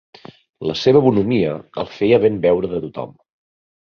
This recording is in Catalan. La seva bonhomia el feia benveure de tothom.